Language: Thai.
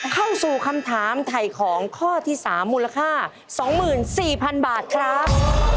เข้าสู่คำถามไถ่ของข้อที่๓มูลค่า๒๔๐๐๐บาทครับ